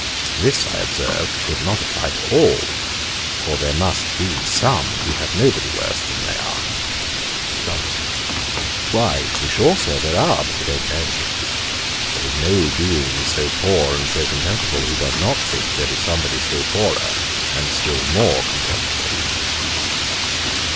This, I observed, could not apply to all, for there must be some who have nobody worse than they are. JOHNSON. 'Why, to be sure, Sir, there are; but they don't know it. There is no being so poor and so contemptible, who does not think there is somebody still poorer, and still more contemptible.'